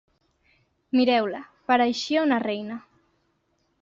Mireu-la; pareixia una reina.